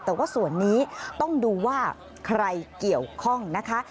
แต่ว่าส่วนนี้ต้องดูว่าใครเกี่ยวข้องนะคะ